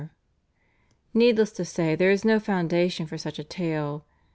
" Needless to say there is no foundation for such a tale.